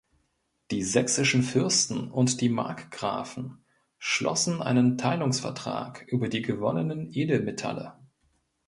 Die sächsischen Fürsten und die Markgrafen schlossen einen Teilungsvertrag über die gewonnenen Edelmetalle.